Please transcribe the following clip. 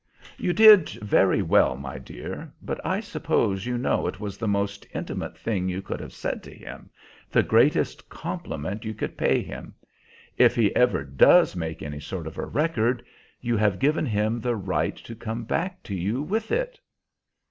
"You did very well, my dear; but I suppose you know it was the most intimate thing you could have said to him, the greatest compliment you could pay him. If he ever does make any sort of a record, you have given him the right to come back to you with it."